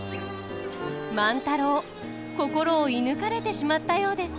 万太郎心を射ぬかれてしまったようです。